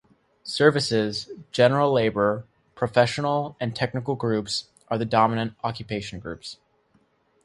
Services, general labour, and professional and technical groups are the dominant occupation groups.